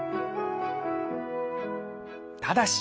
ただし